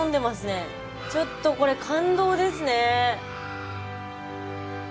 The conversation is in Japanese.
ちょっとこれ感動ですね。